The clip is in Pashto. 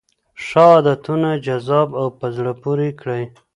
ښه عادتونه جذاب او په زړه پورې کړئ.